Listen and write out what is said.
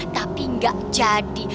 tapi gak jadi